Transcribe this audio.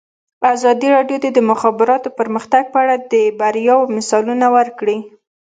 ازادي راډیو د د مخابراتو پرمختګ په اړه د بریاوو مثالونه ورکړي.